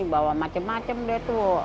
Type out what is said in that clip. bawa macem macem deh tuh